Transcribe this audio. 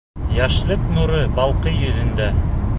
Йәшлек нуры балҡый йөҙөңдә.